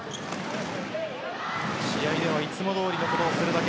試合ではいつもどおりのことをするだけ。